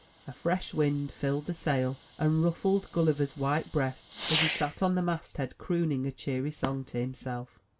A fresh wind filled the sail, and ruffled Gulliver's white breast as he sat on the mast head crooning a cheery song to himself.